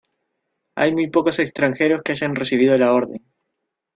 Hay muy pocos extranjeros que hayan recibido la Orden.